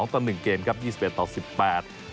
๒ต่อ๑เกมครับ๒๑ต่อ๑๘